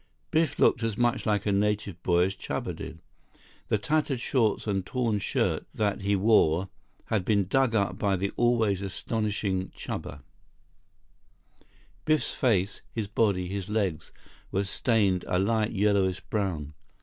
Biff looked as much like a native boy as Chuba did. The tattered shorts and torn shirt that he wore had been dug up by the always astonishing Chuba. Biff's face, his body, his legs, were stained a light, yellowish brown.